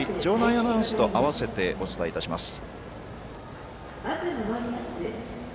アナウンスと合わせてお伝えします。